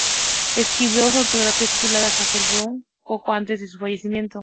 Escribió su autobiografía, titulada "Hazel Court Horror Queen", poco antes de su fallecimiento.